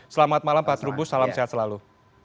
selamat malam pak trubus salam sehat selalu